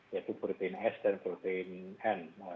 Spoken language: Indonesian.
yaitu protein s dan protein n